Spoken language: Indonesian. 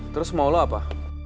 terus maulah apa